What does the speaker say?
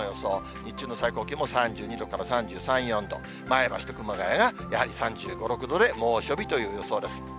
日中の最高気温も３２度から３３、４度、前橋と熊谷がやはり３５、６度で猛暑日という予想です。